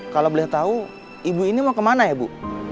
kalau boleh tahu ibu ini mau kemana ya bu